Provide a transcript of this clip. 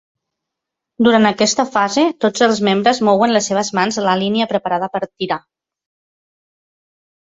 Durant aquesta fase tots els membres mouen les seves mans la línia preparada per tirar.